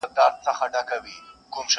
یارانو لوبه اوړي د اسمان څه به کوو؟!.